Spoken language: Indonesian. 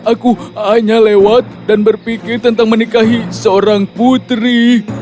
aku hanya lewat dan berpikir tentang menikahi seorang putri